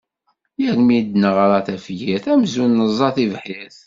Yal mi d-neɣra tafyirt, amzun neẓẓa tibḥirt.